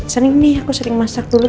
sering nih aku sering masak dulu